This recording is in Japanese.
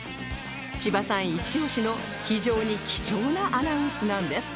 千葉さんイチオシの非常に貴重なアナウンスなんです